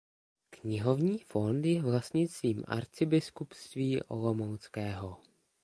Knihovní fond je vlastnictvím Arcibiskupství olomouckého.